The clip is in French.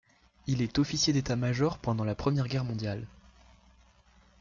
Il est officier d'état-major pendant la Première Guerre mondiale.